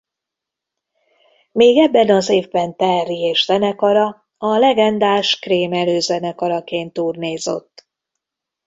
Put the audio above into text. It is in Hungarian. Még ebben az évben Terry és zenekara a legendás Cream előzenekaraként turnézott.